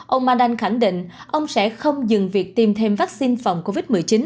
ông mandan khẳng định ông sẽ không dừng việc tiêm thêm vaccine phòng covid một mươi chín